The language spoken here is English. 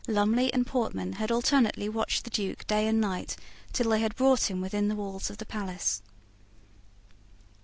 Lumley and Portman had alternately watched the Duke day and night till they had brought him within the walls of the palace.